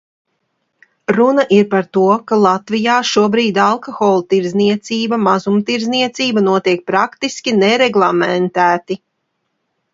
Runa ir par to, ka Latvijā šobrīd alkohola tirdzniecība, mazumtirdzniecība, notiek praktiski nereglamentēti.